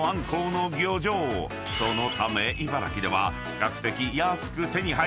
［そのため茨城では比較的］